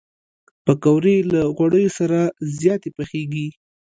پکورې له غوړیو سره زیاتې پخېږي